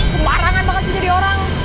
sembarangan banget sih jadi orang